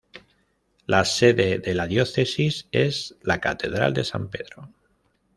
La sede de la Diócesis es la Catedral de San Pedro.